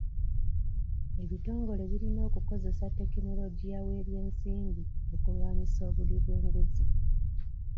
Ebitongole birina okukozesa tekinologiya w'ebyensimbi okulwanisa obuli bw'enguzi.